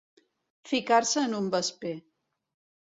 Ficar-se en un vesper.